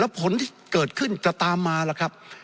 ผลที่เกิดขึ้นจะตามมาล่ะครับ